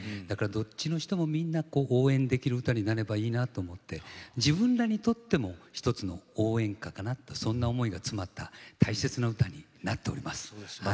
だからどっちの人もみんな応援できる歌になればいいなと思って自分らにとっても一つの応援歌かなってそんな思いが詰まった大切な歌になっております。